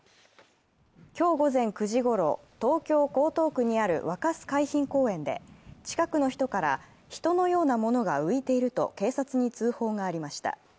今日午前９時ごろ、東京・江東区にある若洲海浜公園で近くの人から人のようなものが浮いていると警察に通報がありました。